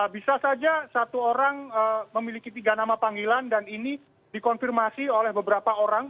bisa saja satu orang memiliki tiga nama panggilan dan ini dikonfirmasi oleh beberapa orang